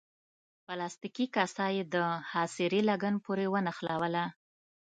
پلاستیکي کاسه یې د خاصرې لګن پورې ونښلوله.